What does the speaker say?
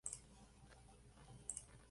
En verano, es visitado por numerosos ciclistas.